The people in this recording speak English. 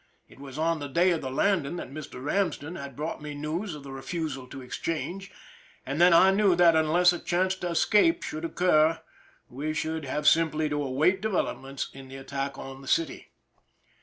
It was on the day of the landing that Mr. Ramsden had brought me news of the refusal to exchange, and then I knew that unless a chance to escape should occur we should have simply to await developments in the attack on the city.